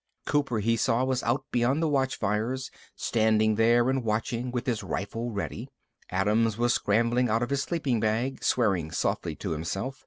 Cooper, he saw, was out beyond the watchfires, standing there and watching, with his rifle ready. Adams was scrambling out of his sleeping bag, swearing softly to himself.